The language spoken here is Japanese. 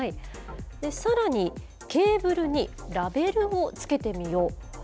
さらにケーブルにラベルを付けてみよう。